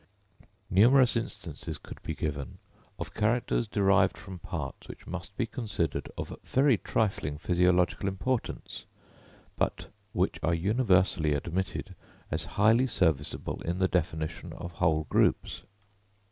Numerous instances could be given of characters derived from parts which must be considered of very trifling physiological importance, but which are universally admitted as highly serviceable in the definition of whole groups.